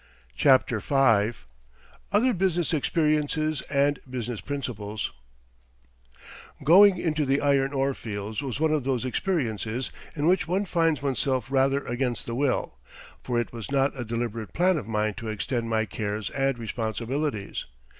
CHAPTER V OTHER BUSINESS EXPERIENCES AND BUSINESS PRINCIPLES Going into the iron ore fields was one of those experiences in which one finds oneself rather against the will, for it was not a deliberate plan of mine to extend my cares and responsibilities.